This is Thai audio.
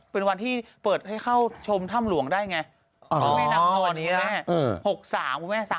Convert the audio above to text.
เป็นวันที่เปิดให้เข้าชมถ้ำหลวงได้ไงอ๋อนับตอนคุณแม่